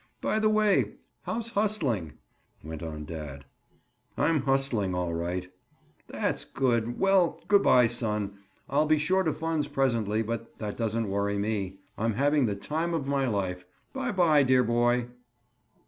"By the way, how's hustling?" went on dad. "I'm hustling all right." "That's good. Well, good by, son. I'll be short of funds presently, but that doesn't worry me. I'm having the time of my life. By by, dear boy."